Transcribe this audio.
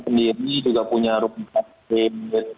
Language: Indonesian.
sendiri juga punya rupiah